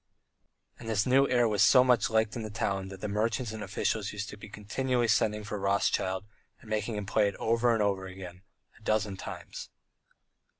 ..." And this new air was so much liked in the town that the merchants and officials used to be continually sending for Rothschild and making him play it over and over again a dozen times.